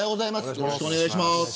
よろしくお願いします。